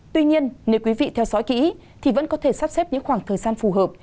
tuy nhiên nếu quý vị theo dõi kỹ thì vẫn có thể sắp xếp những khoảng thời gian phù hợp